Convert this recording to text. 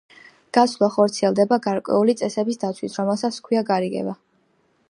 გაცვლა ხორციელდება გარკვეული წესების დაცვით, რომელსაც ჰქვია გარიგება.